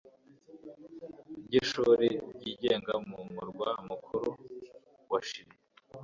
ryishuri ryigenga mu murwa mukuru wa Chili